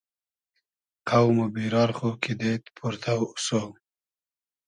قۆم و بیرار خو کیدېد پۉرتۆ اوسۉ